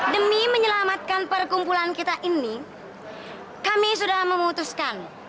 demi menyelamatkan perkumpulan kita ini kami sudah memutuskan